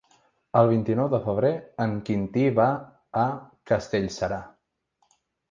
El vint-i-nou de febrer en Quintí va a Castellserà.